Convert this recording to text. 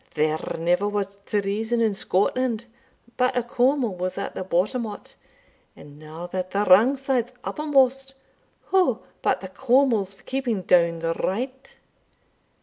There ne'er was treason in Scotland but a Cawmil was at the bottom o't; and now that the wrang side's uppermost, wha but the Cawmils for keeping down the right?